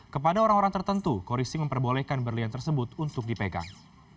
kepada orang orang tertentu khori sing memperbolehkan berlian tersebut untuk dipegang